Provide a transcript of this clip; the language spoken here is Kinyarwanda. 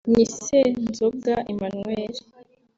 ni Senzoga Emmanuel